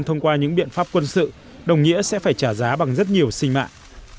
thông qua những biện pháp quân sự đồng nghĩa sẽ phải trả giá bằng rất nhiều sinh mạng